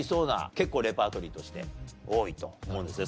結構レパートリーとして多いと思うんですね。